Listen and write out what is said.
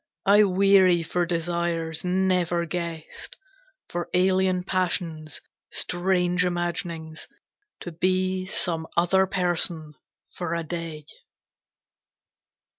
I weary for desires never guessed, For alien passions, strange imaginings, To be some other person for a day.